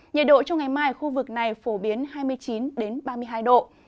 nhiệt độ trong ngày mai ở khu vực này phổ biến hai mươi chín ba mươi hai độ